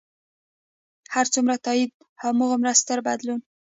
هر څومره تایید، هغومره ستر بدلون.